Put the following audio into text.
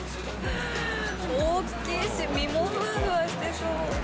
大きいし、身もふわふわしてそう。